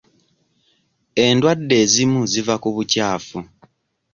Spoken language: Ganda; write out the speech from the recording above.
Endwadde ezimu ziva ku bukyafu.